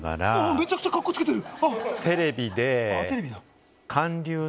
めちゃくちゃカッコつけてる。